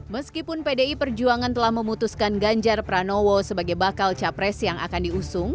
meskipun pdi perjuangan telah memutuskan ganjar pranowo sebagai bakal capres yang akan diusung